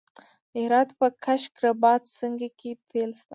د هرات په کشک رباط سنګي کې تیل شته.